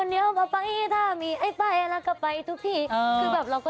เดินก้าวหน้า๓ไปหลัง๔